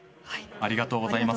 ありがとうございます。